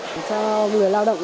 cho người lao động